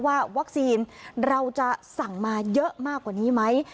ว่าวัคซีนเราจะสั่งมาเยอะมากกว่านี้ไหม